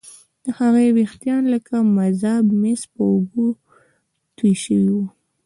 د هغې ويښتان لکه مذاب مس پر اوږو توې شوي وو